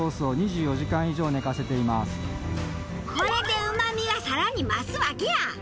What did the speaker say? これでうまみがさらに増すわけや。